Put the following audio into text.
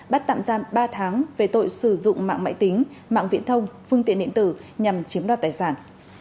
bắt tạm giam ba tháng về tội sử dụng mạng máy tính mạng viễn thông phương tiện điện tử nhằm chiếm đoạt tài sản